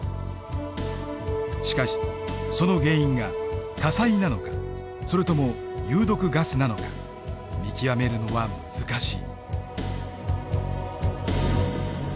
しかしその原因が火災なのかそれとも有毒ガスなのか見極めるのは難しい。